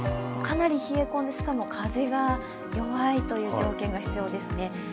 かなり冷え込んで、しかも風が弱いという条件が必要ですね。